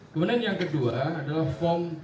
kemudian yang kedua adalah form b satu